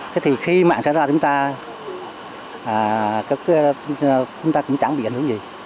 thế thì khi mạng xảy ra chúng ta cũng chẳng bị ảnh hưởng gì